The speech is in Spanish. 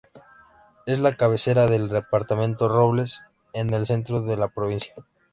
Es la cabecera del departamento Robles, en el centro de la provincia.